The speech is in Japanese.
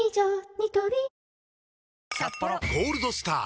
ニトリ「ゴールドスター」！